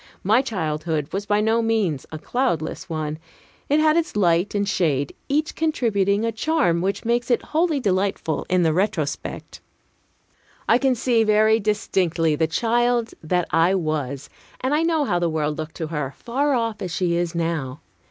My childhood was by no means a cloudless one. It had its light and shade, each contributing a charm which makes it wholly delightful in the retrospect. I can see very distinctly the child that I was, and I know how the world looked to her, far off as she is now.